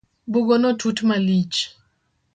Bugono tut malich